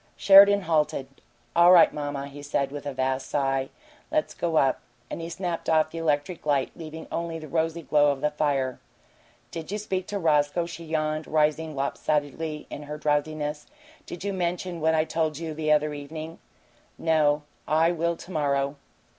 Sheridan halted. "All right, mamma," he said, with a vast sigh. "Let's go up." And he snapped off the electric light, leaving only the rosy glow of the fire. "Did you speak to Roscoe?" she yawned, rising lopsidedly in her drowsiness. "Did you mention about what I told you the other evening?" "No. I will to morrow."